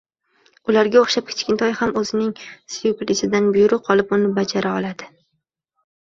Ularga o`xshab Kichkintoy ham o`zining suyuklisidan buyruq olib, uni bajara oldi